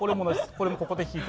これも、ここで引いて。